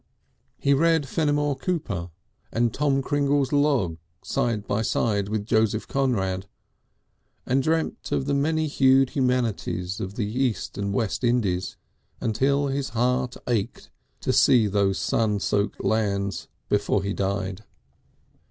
He read Fenimore Cooper and "Tom Cringle's Log" side by side with Joseph Conrad, and dreamt of the many hued humanity of the East and West Indies until his heart ached to see those sun soaked lands before he died.